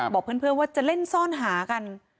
บอกเพื่อนว่าจะเล่นซ่อนหากัน